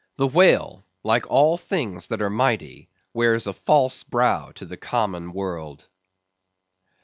The whale, like all things that are mighty, wears a false brow to the common world.